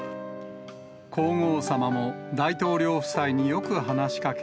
皇后さまも、大統領夫妻によく話しかけ、